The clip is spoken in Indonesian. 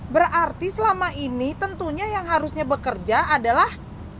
berarti selama ini tentunya yang harusnya bekerja adalah